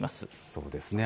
そうですね。